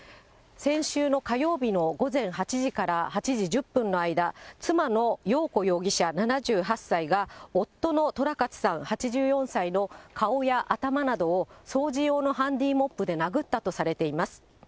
先週の火曜日の午前８時から８時１０分の間、妻のようこ容疑者７８歳が、夫のとらかつさん８４歳の顔や頭などを、掃除用のハンディモップで殴ったとされています。